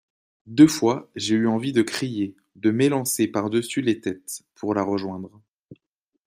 Deux fois, j'ai eu envie de crier, de m'élancer par-dessus les têtes, pour la rejoindre.